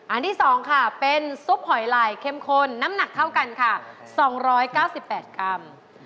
อันที่๒ค่ะเป็นซุปหอยลายเข้มข้นน้ำหนักเท่ากันค่ะ๒๙๘กรัม